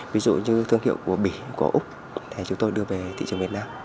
ví dụ như thương hiệu của bỉ của úc thì chúng tôi đưa về thị trường việt nam